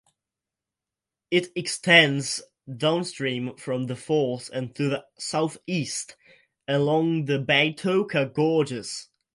It extends downstream from the falls and to the south-east along the Batoka Gorges.